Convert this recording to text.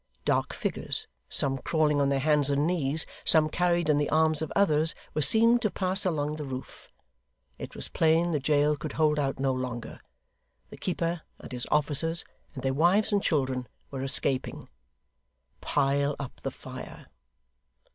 Dark figures, some crawling on their hands and knees, some carried in the arms of others, were seen to pass along the roof. It was plain the jail could hold out no longer. The keeper, and his officers, and their wives and children, were escaping. Pile up the fire!